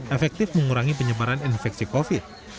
efektif mengurangi penyebaran infeksi covid